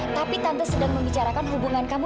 tapi tante sedang membicarakan hubungan kamu